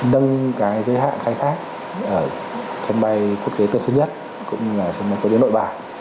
nâng cái giới hạn khai thác trên bay quốc tế tân sân nhất cũng như là trên mặt quốc tế nội bản